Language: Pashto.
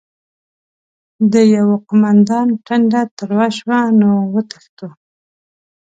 د يوه قوماندان ټنډه تروه شوه: نو وتښتو؟!